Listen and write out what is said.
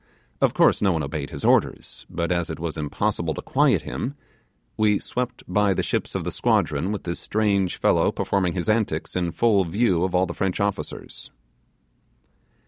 Of course no one obeyed his orders; but as it was impossible to quiet him, we swept by the ships of the squadron with this strange fellow performing his antics in full view of all the French officers.